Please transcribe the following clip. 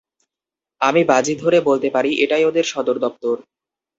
আমি বাজি ধরে বলতে পারি এটাই ওদের সদর দপ্তর।